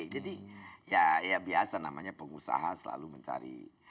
jadi ya biasa namanya pengusaha selalu mencari